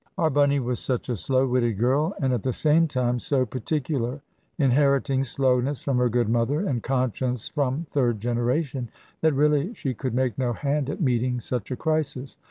Our Bunny was such a slow witted girl, and at the same time so particular (inheriting slowness from her good mother, and conscience from third generation), that really she could make no hand at meeting such a crisis.